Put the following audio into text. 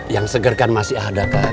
yang seger kan masih ada kan